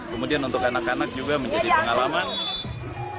kemudian untuk anak anak juga menjadi pengalaman